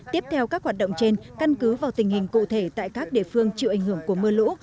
tiếp theo các hoạt động trên căn cứ vào tình hình cụ thể tại các địa phương chịu ảnh hưởng của mưa lũ